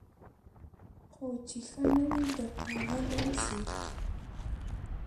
خو چي ښه نه وي درته غلیم سي